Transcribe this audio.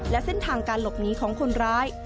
และเส้นทางการหลบหนีของคนร้าย